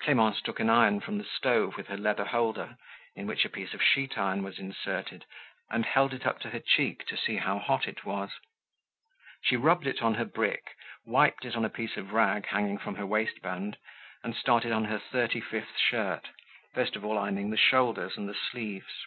Clemence took an iron from the stove with her leather holder in which a piece of sheet iron was inserted, and held it up to her cheek to see how hot it was. She rubbed it on her brick, wiped it on a piece of rag hanging from her waist band and started on her thirty fifth shirt, first of all ironing the shoulders and the sleeves.